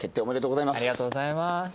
おめでとうございます。